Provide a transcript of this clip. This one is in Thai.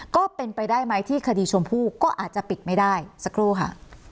ก็เป็นไปได้ไหมที่คดีชมพู่ก็อาจจะปิดไม่ได้สักครู่ค่ะ